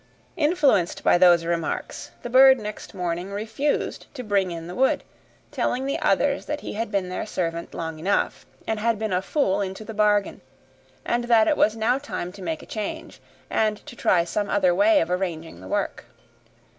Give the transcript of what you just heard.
Influenced by those remarks, the bird next morning refused to bring in the wood, telling the others that he had been their servant long enough, and had been a fool into the bargain, and that it was now time to make a change, and to try some other way of arranging the work.